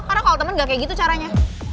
karena kalo temen gak kayak gitu caranya